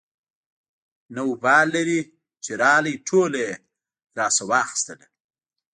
نه وبال لري چې راغی ټوله يې رانه واخېستله.